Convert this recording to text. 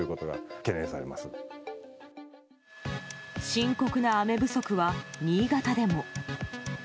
深刻な雨不足は新潟でも。